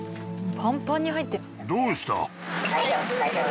パンパンに入ってるよ。